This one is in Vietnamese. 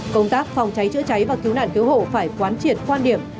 công tác phòng cháy chữa cháy và cứu nạn cứu hộ phải quán triệt quan điểm